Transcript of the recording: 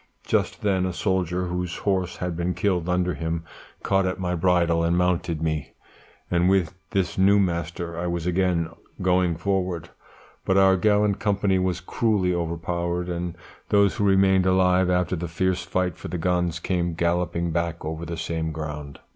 Just then a soldier whose horse had been killed under him caught at my bridle and mounted me, and with this new master I was again going forward; but our gallant company was cruelly overpowered, and those who remained alive after the fierce fight for the guns came galloping back over the same ground.